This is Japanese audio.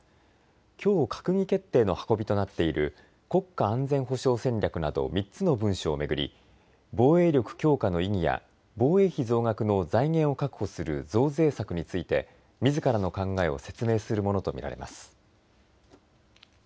きょう閣議決定の運びとなっている国家安全保障戦略など３つの文書を巡り防衛力強化の意義や防衛費増額の財源を確保する増税策についてみずからの考えを説明するものと見られます。